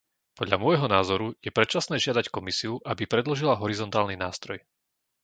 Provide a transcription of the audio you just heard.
Podľa môjho názoru je predčasné žiadať Komisiu, aby predložila horizontálny nástroj.